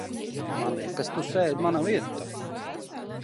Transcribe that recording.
-man liekas, tu sēdi manā vietā!